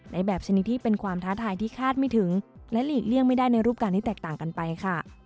ในแบบชนิดที่เป็นความท้าทายที่คาดไม่ถึงและหลีกเลี่ยงไม่ได้ในรูปการณ์ที่แตกต่างกันไปค่ะ